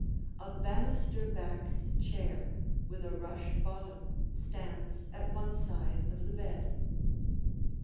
A banister backed chair with a rush bottom stands at one side of the bed.